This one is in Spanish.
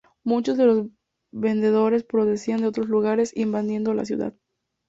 Muchos de los vendedores procedían de otros lugares, "invadiendo" la ciudad.